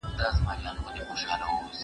زه اجازه لرم چي کار وکړم؟!